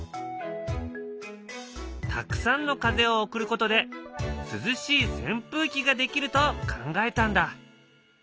たくさんの風を送ることで涼しいせん風機ができると考えたんだ。